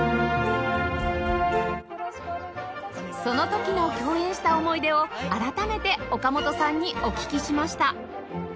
その時の共演した思い出を改めて岡本さんにお聞きしました